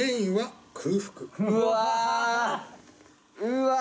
うわ！